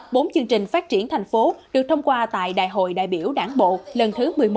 bốn chương trình phát triển thành phố được thông qua tại đại hội đại biểu đảng bộ lần thứ một mươi một